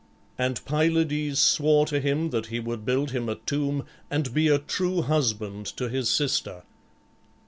And Pylades swore to him that he would build him a tomb and be a true husband to his sister.